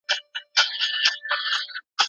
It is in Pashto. ایا په پوهنتونونو کې ادبي جایزې ورکول کېږي؟